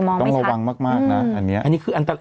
ต้องระวังมากนะ